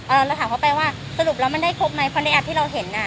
เราถามเขาไปว่าสรุปแล้วมันได้ครบไหมเพราะในแอปที่เราเห็นอ่ะ